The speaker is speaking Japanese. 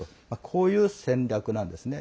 こういう戦略なんですね。